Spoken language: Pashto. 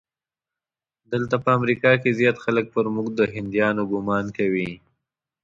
دلته په امریکا کې زیات خلک پر موږ د هندیانو ګومان کوي.